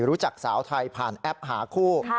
รู้จักสาวไทยผ่านแอปหาคู่